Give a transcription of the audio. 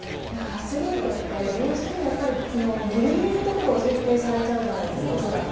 アスリートって、どうしてもやっぱりぎりぎりのところを設定されちゃうじゃないですか、恐らく。